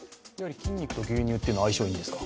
筋肉と牛乳は相性いいんですか？